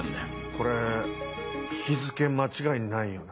これ日付間違いないよな？